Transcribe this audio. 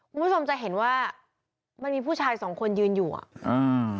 มุมสอบใจเห็นว่ามันมีผู้ชายสองคนยืนอยู่อ่ะ